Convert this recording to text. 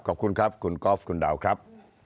ขอบคุณครับคุณกอล์ฟคุณดาวครับ